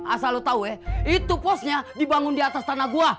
asal utaweh itu posnya dibangun di atas tanah gua